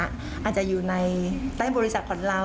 อาจจะอยู่ในใต้บริษัทของเรา